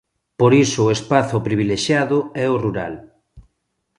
Por iso o espazo privilexiado é o rural.